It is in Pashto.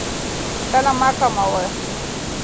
تله مه کموئ.